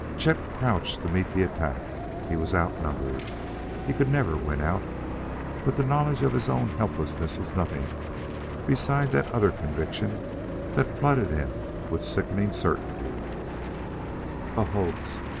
Chet crouched to meet the attack. He was outnumbered; he could never win out. But the knowledge of his own helplessness was nothing beside that other conviction that flooded him with sickening certainty A hoax!